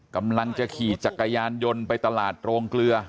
กำลังจะขี่จักรยานยนต์ไปตลาดโรงเกลือ